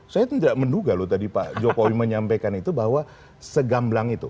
saya tidak menduga loh tadi pak jokowi menyampaikan itu bahwa segamblang itu